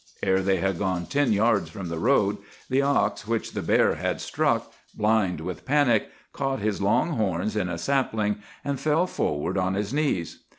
Ere they had gone ten yards from the road, the ox which the bear had struck, blind with panic, caught his long horns in a sapling, and fell forward on his knees.